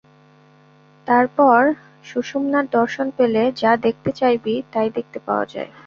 তারপর সুষুম্নার দর্শন পেলে যা দেখতে চাইবি, তাই দেখতে পাওয়া যায়।